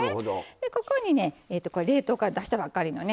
ここにね冷凍から出したばっかりのね。